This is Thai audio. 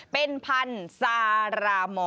เป็นพันธุ์ซารามอ